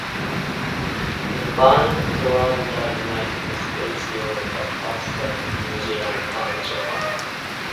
The band toured the United States, Europe, Australia, New Zealand, and Japan.